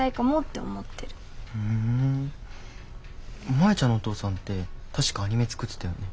マヤちゃんのお父さんって確かアニメ作ってたよね？